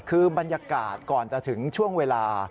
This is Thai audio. คือบรรยากาศก่อนจะถึงช่วงเวลา